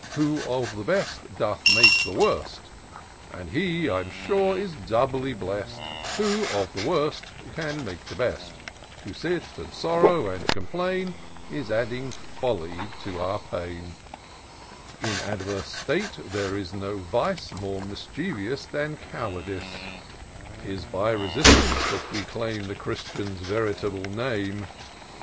Who of the best doth make the worst ; And he, I'm sure, is doubly blest, Who of the worst can make the best : To sit and sorrow and complain, Is adding folly to our pain. " In adverse state there is no vice, More mischievous than cowardice ; IN SEARCH OF THE PICTURESQUE. 341 'Tis by resistance that we claim The Christian's Venerable name.